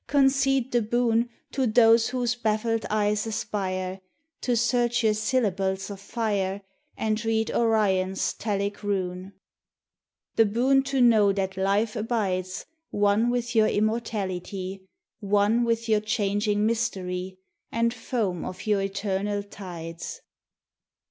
concede the boon To those whose baffled eyes aspire To search your syllables of fire, And read Orion's telic rune The boon to know that Life abides One with your immortality, One with your changing mystery, And foam of your eternal tides.